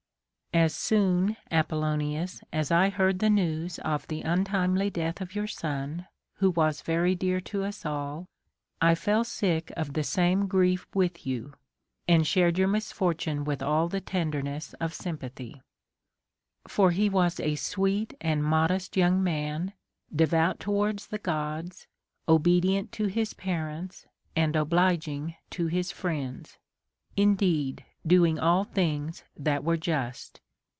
As soon, Apollonius, as I heard the news of the un timely death of your son, Avho was very dear to us all, I fell sick of the same grief with you, and shared your misfor tune with all the tenderness of sympathy. For he was a sweet and modest yoiuig man, devout towards the Gods, obedient to his parents, and obliging to his friends ; indeed doing all things that were just.